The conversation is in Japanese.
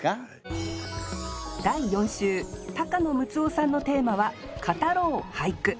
第４週高野ムツオさんのテーマは「語ろう！俳句」。